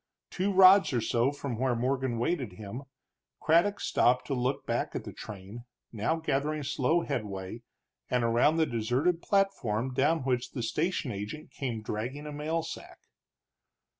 Two rods or so from where Morgan waited him, Craddock stopped to look back at the train, now gathering slow headway, and around the deserted platform, down which the station agent came dragging a mail sack.